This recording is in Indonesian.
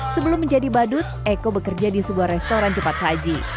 sebelum menjadi badut eko bekerja di sebuah restoran cepat saji